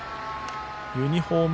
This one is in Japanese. ユニフォーム